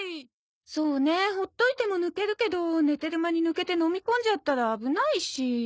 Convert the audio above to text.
そうね放っておいても抜けるけど寝てる間に抜けて飲み込んじゃったら危ないし。